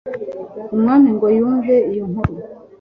umwami ngo yumve iyo nkuru